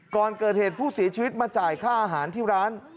ก่อนเกิดเหตุผู้เสียชีวิตมาจ่ายค่าอาหารที่ร้าน